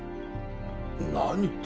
何って。